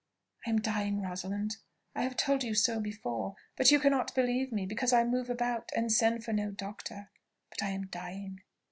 "I am dying, Rosalind. I have told you so before, but you cannot believe me because I move about and send for no doctor but I am dying."